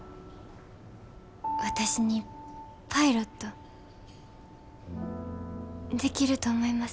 私にパイロットできると思いますか？